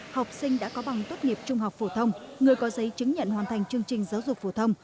học sinh đã có bằng tốt nghiệp trung học phổ thông người có giấy chứng nhận hoàn thành chương trình giáo dục phổ thông